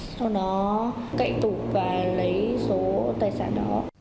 sau đó cậy tục và lấy số tài sản đó